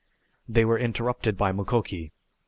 They were interrupted by Mukoki.